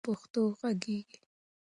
آیا ته غواړې چې په پښتو وغږېږې؟